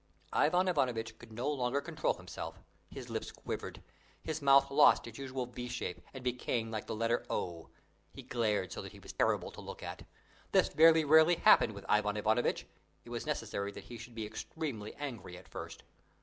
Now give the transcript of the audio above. Ivan Ivanovitch could no longer control himself. His lips quivered; his mouth lost its usual V shape, and became like the letter O; he glared so that he was terrible to look at. This very rarely happened with Ivan Ivanovitch: it was necessary that he should be extremely angry at first.